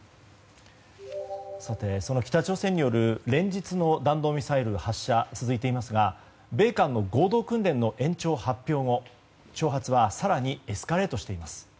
その北朝鮮による連日の弾道ミサイル発射が続いていますが米韓の合同訓練の延長発表後挑発は更にエスカレートしています。